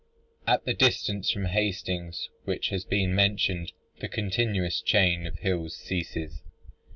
At the distance from Hastings which has been mentioned, the continuous chain of hills ceases.